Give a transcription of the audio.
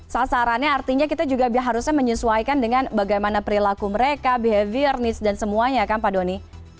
sasarannya artinya kita juga harusnya menyesuaikan dengan bagaimana perilaku mereka behavior nes dan semuanya kan pak doni